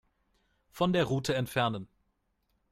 Von der Route entfernen.